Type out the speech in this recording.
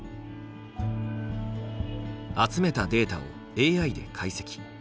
集めたデータをＡＩで解析。